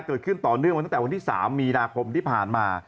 เกิดขึ้นต่อเนื่องมาตั้งแต่วันที่๓มีนาคมที่ผ่านมา